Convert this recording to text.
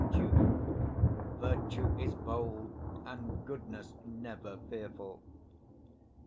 Duke. Virtue is bold, and goodness never fearful.